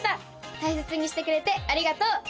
大切にしてくれてありがとう。